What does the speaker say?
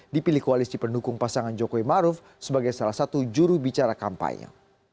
dipilih koalisi pendukung pasangan jokowi maruf sebagai salah satu juru bicara kampanye